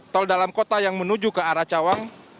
tol dalam kota yang menuju ke arah cawang